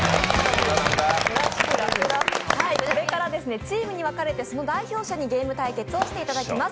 これからチームに分かれてその代表者にゲーム対決をしていただきます。